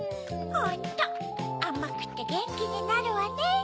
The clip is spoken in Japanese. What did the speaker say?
ホントあまくてゲンキになるわね。